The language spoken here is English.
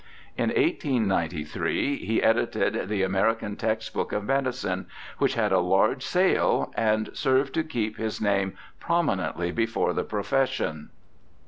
In 1893 he edited the Amencan Text Book of Medicine, which had a large sale, and served to keep his name prominently before the profession.